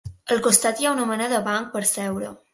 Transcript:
Al costat hi ha una mena de banc per seure.